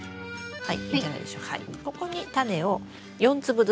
はい。